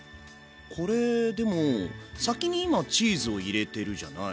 これでも先に今チーズを入れてるじゃない。